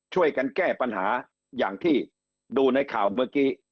ช่วยกันแก้ปัญหาอย่างที่ดูในข่าวเมื่อกี้